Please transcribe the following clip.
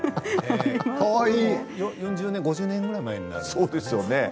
４０年５０年ぐらい前そうですね。